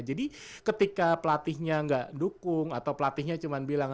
jadi ketika pelatihnya gak dukung atau pelatihnya cuman bilang